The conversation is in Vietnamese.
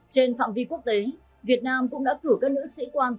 trên phạm vi quốc tế việt nam cũng đã cử các nữ sĩ quan